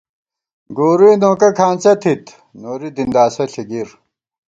گورُئے نوکہ کھانڅہ تھِت، نوری دِنداسہ ݪی گِر